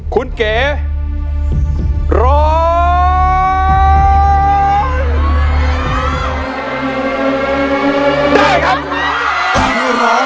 คุณเก๋ร้องได้ครับ